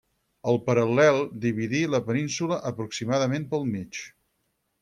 El paral·lel dividí la península aproximadament pel mig.